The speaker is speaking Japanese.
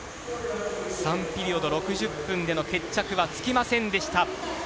３ピリオド、６０分での決着はつきませんでした。